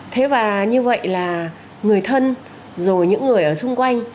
thế và như vậy là người thân rồi những người ở xung quanh